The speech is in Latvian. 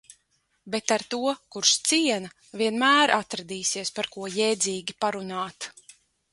Bet ar to, kurš ciena, vienmēr atradīsies par ko jēdzīgi parunāt.